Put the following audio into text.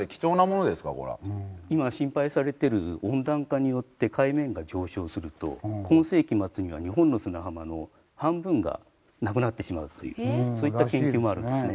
今心配されてる温暖化によって海面が上昇すると今世紀末には日本の砂浜の半分がなくなってしまうっていうそういった研究もあるんですね。